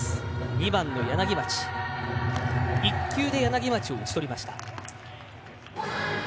２番の柳町１球で柳町を打ち取りました。